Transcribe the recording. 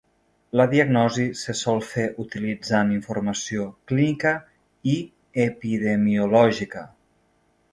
La diagnosi se sol fer utilitzant informació clínica i epidemiològica.